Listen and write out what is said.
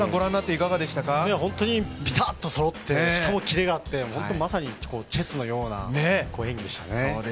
びたっとそろってしかもキレがあって本当に、まさにチェスのような演技でしたね。